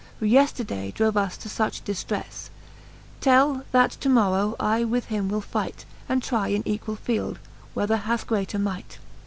Who yeefter day drove us to fuch diftrefle, Tell, that to morrow I with him will fight. And try in equall field, whether hath greater might.